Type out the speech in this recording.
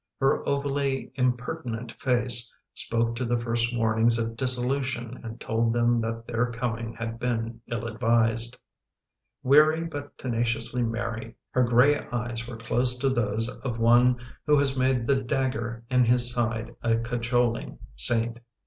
Her ovally impertinent face spoke to the first warnings of dissolution and told them that their coming had been ill advised. Weary but tenaciously merry, her gray eyes were close to those of one who has made the dagger in his side a cajoling saint.